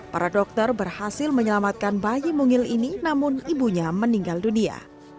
para dokter berhasil menyelamatkan bayi mungil ini namun ibunya meninggal dunia